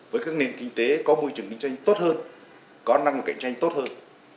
với các nền kinh tế có môi trường kinh doanh tốt hơn có năng lực cạnh tranh tốt hơn